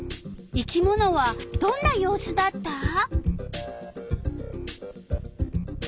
生き物はどんな様子だった？